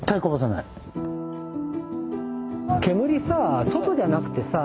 煙さ外じゃなくてさ